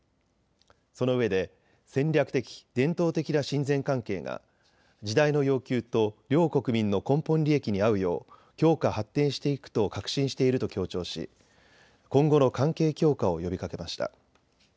そのうえで戦略的、伝統的な親善関係が時代の要求と両国民の根本利益に合うよう強化・発展していくと確信していると強調し、今後の関係強化を呼びかけました。